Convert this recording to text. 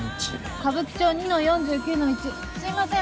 歌舞伎町２ー４９ー１すいません